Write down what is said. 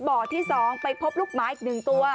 ที่๒ไปพบลูกหมาอีก๑ตัว